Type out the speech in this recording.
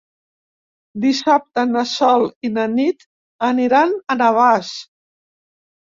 Dissabte na Sol i na Nit aniran a Navàs.